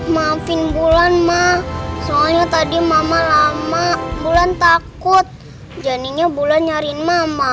maafin bulan mah soalnya tadi mama lama bulan takut jadinya bulan nyariin mama